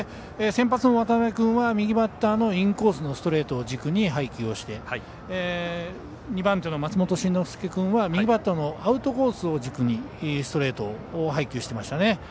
先発の渡邊君は右バッターのインコースのストレートを軸に配球をして２番手の松本慎之介君は右バッターのアウトコースを軸にストレートを配球してましたね。